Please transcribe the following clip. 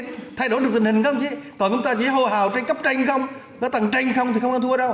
chỉ đạo điều hành